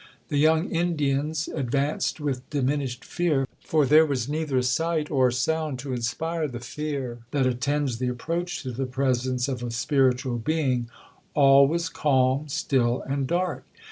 The young Indians advanced with diminished fear, for there was neither sight or sound to inspire the fear that attends the approach to the presence of a spiritual being—all was calm, still, and dark.